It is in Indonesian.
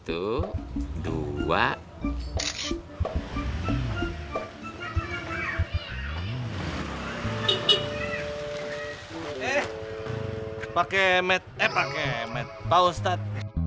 eh pakai medep pakai medep paustat